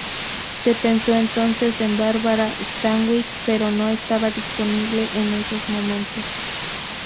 Se pensó entonces en Barbara Stanwyck, pero no estaba disponible en esos momentos.